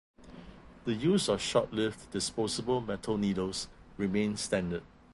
The use of short-lived disposable metal needles remained standard.